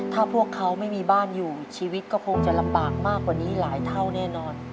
ถ้าพวกเขาไม่มีบ้านอยู่ชีวิตก็คงจะลำบากมากกว่านี้หลายเท่าแน่นอน